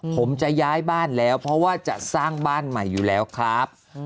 ผมจะย้ายบ้านแล้วเพราะว่าจะสร้างบ้านใหม่อยู่แล้วครับ